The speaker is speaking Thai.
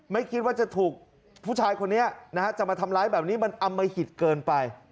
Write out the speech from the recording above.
ไม่คิดว่าจะถูกผู้ชายคนนี้นะฮะจะมาทำร้ายแบบนี้มันอมหิตเกินไป